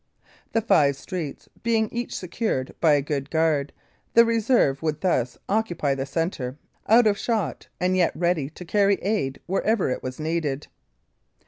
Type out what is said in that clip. The five streets being each secured by a good guard, the reserve would thus occupy the centre, out of shot, and yet ready to carry aid wherever it was needed.